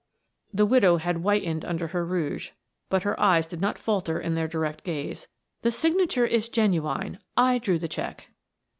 The widow had whitened under her rouge, but her eyes did not falter in their direct gaze. "The signature is genuine. I drew the check."